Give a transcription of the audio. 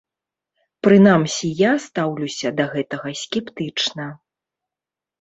Прынамсі я стаўлюся да гэтага скептычна.